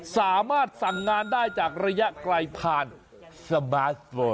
สามารถสั่งงานได้จากระยะไกลผ่านสมาร์ทโวย